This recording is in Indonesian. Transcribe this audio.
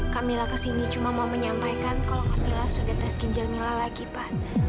kamila kesini cuma mau menyampaikan kalau kamila sudah tes ginjal mila lagi pa